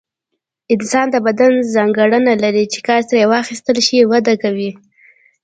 انسان د بدن ځانګړنه لري چې کار ترې واخیستل شي وده کوي.